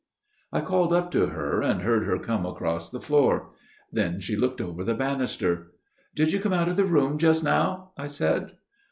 " I called up to her ; and heard her come across the floor. Then she looked over the banister. * Did you come out of the room just now ?' I said.